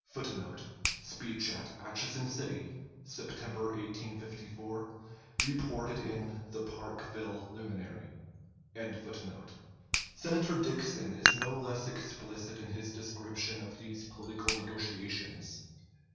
[Footnote: Speech at Atchison City, September, 1854, reported in the "Parkville Luminary."] Senator Dixon is no less explicit in his description of these political negotiations.